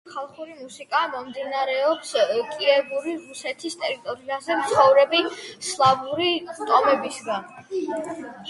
რუსული ხალხური მუსიკა მომდინარეობს კიევური რუსეთის ტერიტორიაზე მცხოვრები სლავური ტომებისგან.